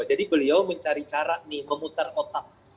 jadi beliau mencari cara nih memutar otak